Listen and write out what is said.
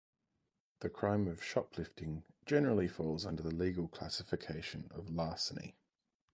The crime of shoplifting generally falls under the legal classification of larceny.